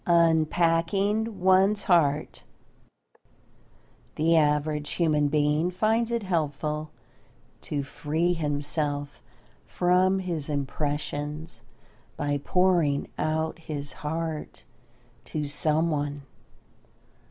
UNPACKING ONE'S HEART The average human being finds it helpful to free himself from his impressions by "pouring out his heart" to someone.